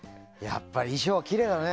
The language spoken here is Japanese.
やっぱり衣装、きれいだね！